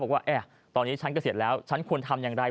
บอกว่าตอนนี้ฉันเกษียณแล้วฉันควรทำอย่างไร